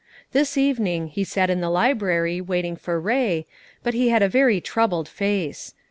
This evening he sat in the library waiting for Ray, but he had a very troubled face.